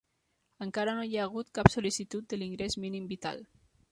Encara no hi ha hagut cap sol·licitud de l'ingrés mínim vital.